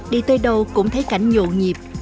đi tới đâu cũng thấy cảnh nhộn nhịp